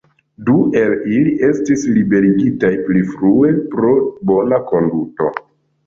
Du el ili estis liberigitaj pli frue pro bona konduto.